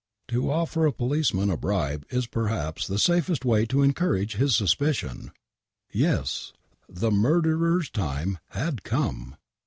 To offer a policeman a bribe is perhaps the safest way to encourage his suspicion — ^Ybs,, the Murderer's Time had Comb.